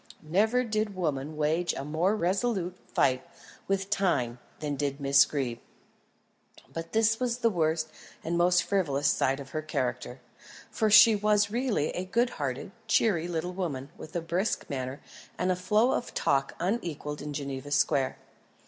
Never did woman wage a more resolute fight with Time than did Miss Greeb. But this was the worst and most frivolous side of her character, for she was really a good hearted, cheery little woman, with a brisk manner, and a flow of talk unequalled in Geneva Square.